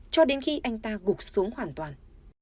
cho đến khi anh ta gục xuống hoàn toàn